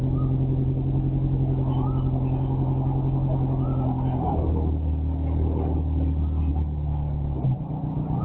สวัสดีครับ